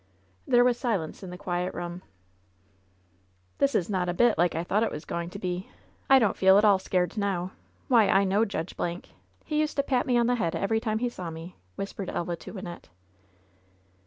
There was silence in the quiet room. "This is not a bit like I thought it was going to be. I don't feel at all scared nowl Why, I know Judge LOVE'S BITTEREST CUP 109 Blank I He used to pat me on the head every time he saw me !'* whispered Elva to Wynnette.